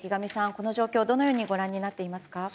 この状況、どのようにご覧になっていますか。